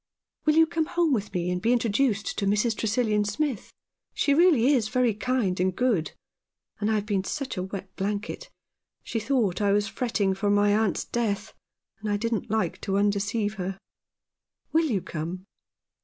206 Chums. "Will you come home with me and be intro duced to Mrs. Tresillian Smith ? She really is very kind and good — and I have been such a wet blanket. She thought I was fretting for my aunt's death ; and I didn't like to undeceive her. Will you come